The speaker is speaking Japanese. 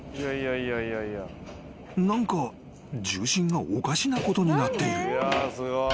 ［何か重心がおかしなことになっている］